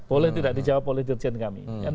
boleh tidak dijawab oleh dirjen kami